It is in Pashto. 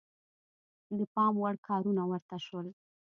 د پام وړ کارونه ورته وشول.